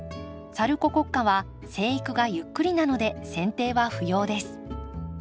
サルココッカは生育がゆっくりなのでせん定は不要です。